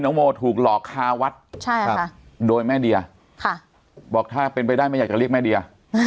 โมถูกหลอกคาวัดโดยแม่เดียบอกถ้าเป็นไปได้ไม่อยากจะเรียกแม่เดีย